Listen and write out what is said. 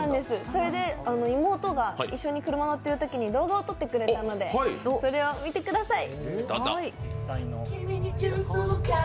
それで、妹が一緒に車に乗っているときに動画を撮ってくれたのでそれを見てください。